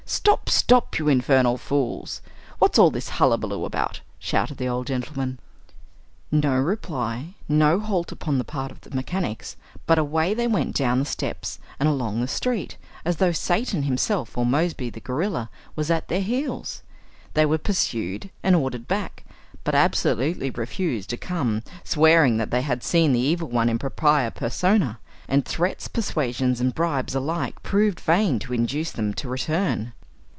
"Stop! stop! you infernal fools! What's all this hullabaloo about?" shouted the old gentleman. No reply no halt upon the part of the mechanics, but away they went down the steps and along the street, as though Satan himself, or Moseby the guerrilla, was at their heels. They were pursued and ordered back, but absolutely refused to come, swearing that they had seen the Evil One, in propria persona; and threats, persuasions, and bribes alike proved vain to induce them to return.